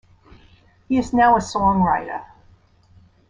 He is now a songwriter.